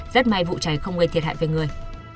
rất may vụ cháy không gây thiệt hại về người